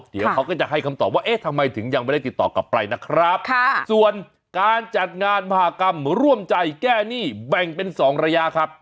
เดี๋ยวเขาก็จะให้คำตอบว่าเอ๊ะทำไมถึงยังไม่ได้ติดต่อกลับไปนะครับส่วนการจัดงานมหากรรมร่วมใจแก้หนี้แบ่งเป็น๒ระยะครับ